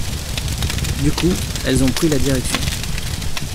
Du coup, Elles ont pris la direction.